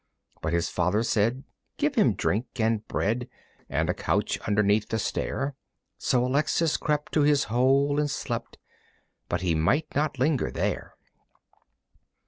But his father said, "Give him drink and bread And a couch underneath the stair." So Alexis crept to his hole and slept. But he might not linger there.